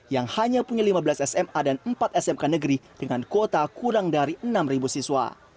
yang hanya punya lima belas sma dan empat smk negeri dengan kuota kurang dari enam siswa